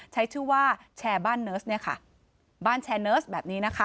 ใช้ชื่อว่าแชร์บ้านเนิร์สบ้านแชร์เนิร์สแบบนี้